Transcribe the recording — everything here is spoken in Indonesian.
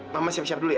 mama siap siap dulu ya